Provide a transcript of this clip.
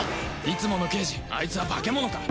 いつもの刑事あいつは化け物か？